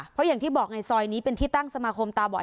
เพราะอย่างที่บอกไงซอยนี้เป็นที่ตั้งสมาคมตาบอด